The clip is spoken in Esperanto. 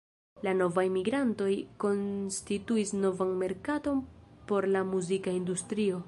La novaj migrantoj konstituis novan merkaton por la muzika industrio.